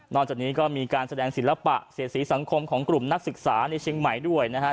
จากนี้ก็มีการแสดงศิลปะเสียสีสังคมของกลุ่มนักศึกษาในเชียงใหม่ด้วยนะครับ